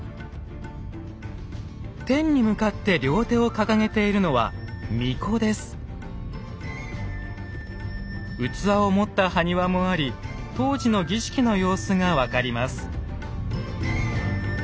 天に向かって両手を掲げているのは器を持った埴輪もあり当時の儀式の様子が分かります。